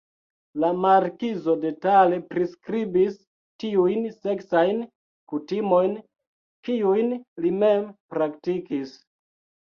La markizo detale priskribis tiujn seksajn kutimojn, kiujn li mem praktikis.